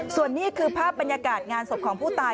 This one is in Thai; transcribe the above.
ส่วนนี้คือภาพบรรยากาศงานศพของผู้ตาย